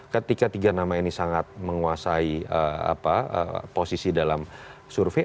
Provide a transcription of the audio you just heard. ketika tiga nama ini sangat menguasai posisi dalam survei